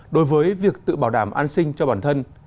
đối với việc tự bảo đảm an sinh cho bản thân